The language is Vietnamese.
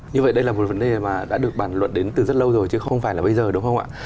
như vậy đây là một vấn đề mà đã được bản luận đến từ rất lâu rồi chứ không phải là bây giờ đúng không ạ